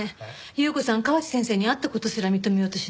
優子さん河内先生に会った事すら認めようとしないもん。